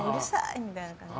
みたいな感じで。